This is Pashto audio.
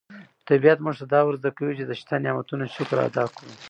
طبیعت موږ ته دا ور زده کوي چې د شته نعمتونو شکر ادا کړو.